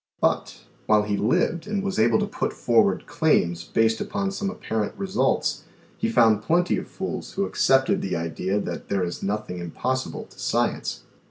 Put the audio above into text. But, while he lived and was able to put forward claims based upon some apparent results, he found plenty of fools who accepted the idea that there is nothing impossible to science.